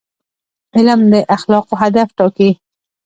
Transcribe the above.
علم د اخلاقو هدف ټاکي.